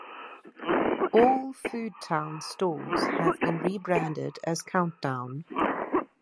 All Foodtown stores have been rebranded as Countdown.